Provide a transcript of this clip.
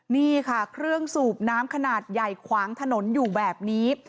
นี่ค่ะเครื่องสูบน้ำขนาดใหญ่ขวางถนนอยู่แบบนี้